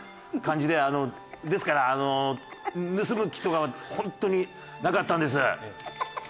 ですから盗む気とかは本当になかったんです。